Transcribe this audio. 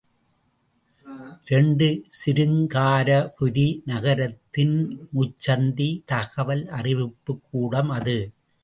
இரண்டு சிருங்காரபுரி நகரத்தின் முச்சந்தித் தகவல் அறிவிப்புக் கூடம் அது.